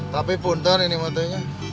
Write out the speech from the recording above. tapi benten ini maksudnya